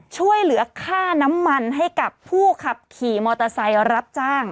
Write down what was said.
ช่วยเหลือค่าน้ำมันให้กับผู้ขับขี่มอเตอร์ไซค์รับจ้าง